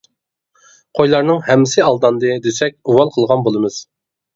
قويلارنىڭ ھەممىسى ئالداندى، دېسەك ئۇۋال قىلغان بولىمىز.